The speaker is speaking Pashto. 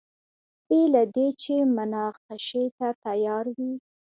بې له دې چې مناقشې ته تیار وي.